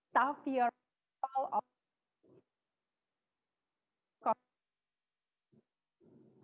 dan penyelamat di seluruh dunia